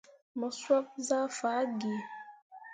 Mo sop zah fah gǝǝ.